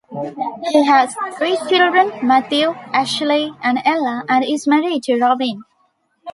He has three children, Matthew, Ashleigh and Ella, and is married to Robyn.